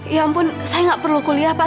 ya ampun saya nggak perlu kuliah pak